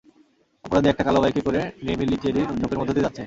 অপরাধী একটা কালো বাইকে করে নেমিলিচেরির ঝোপের মধ্য দিয়ে যাচ্ছে।